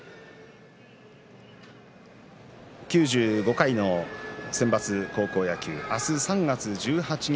９５回の選抜高校野球明日３月１８日